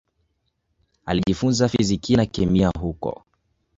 Alijifunza fizikia na kemia huko.